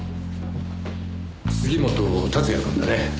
杉本竜也くんだね？